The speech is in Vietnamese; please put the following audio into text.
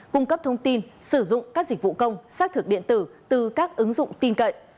cung cấp thông tin sử dụng các dịch vụ công xác thực điện tử từ các ứng dụng tin cậy